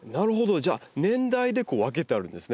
じゃあ年代でこう分けてあるんですね。